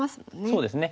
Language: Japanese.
そうですね。